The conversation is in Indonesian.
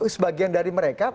sebagian dari mereka